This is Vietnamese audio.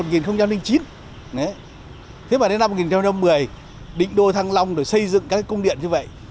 thế mà đến năm một nghìn một mươi định đô thăng long rồi xây dựng các công điện như vậy